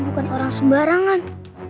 bukan orang sebarangan